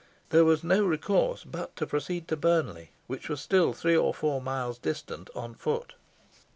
There was no resource but to proceed to Burnley, which was still three or four miles distant, on foot.